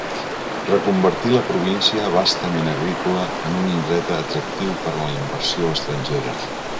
Reconvertí la província, abastament agrícola, en un indret atractiu per la inversió estrangera.